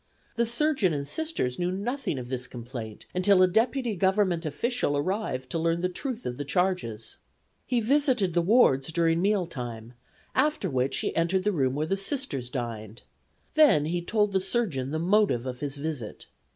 The surgeon and Sisters knew nothing of this complaint until a deputy Government official arrived to learn the truth of the charges. He visited the wards during meal time, after which he entered the room where the Sisters dined. Then he told the surgeon the motive of his visit.